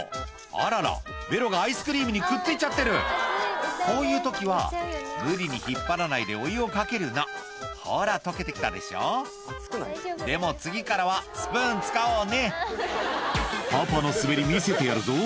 あららベロがアイスクリームにくっついちゃってるこういう時は無理に引っ張らないでお湯をかけるのほら溶けて来たでしょでも次からはスプーン使おうね「パパの滑り見せてやるぞ」